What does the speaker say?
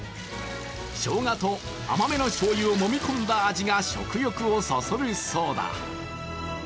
しょうがと甘めの醤油をもみ込んだ味が食欲をそそるそうだ。